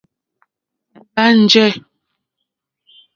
Mbâ njɛ̂.